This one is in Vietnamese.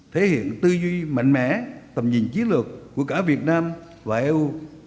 thể hiện tư duy mạnh mẽ tầm nhìn chiến lược của cả việt nam và eu